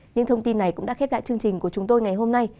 những thông tin này cũng đã khép lại chương trình của chúng tôi ngày hôm nay